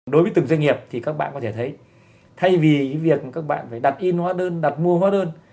đối với từng doanh nghiệp thì các bạn có thể thấy thay vì việc các bạn phải đặt in hóa đơn đặt mua hóa đơn